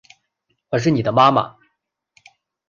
我是妳的妈妈